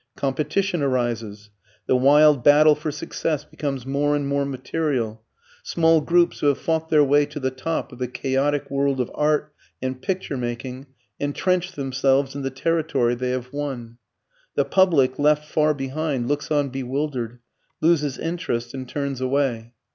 Competition arises. The wild battle for success becomes more and more material. Small groups who have fought their way to the top of the chaotic world of art and picture making entrench themselves in the territory they have won. The public, left far behind, looks on bewildered, loses interest and turns away.